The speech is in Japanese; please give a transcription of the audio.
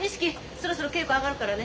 そろそろ稽古あがるからね。